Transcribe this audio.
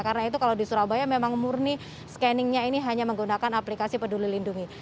karena itu kalau di surabaya memang murni scanningnya ini hanya menggunakan aplikasi peduli lindungi